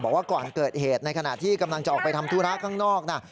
บอกว่าก่อนเกิดเหตุในขณะที่กำลังจะออกไปทำธุระข้างนอกนะ